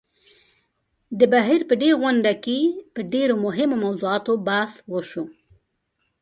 د بهېر په دې غونډه کې په ډېرو مهمو موضوعاتو بحث وشو.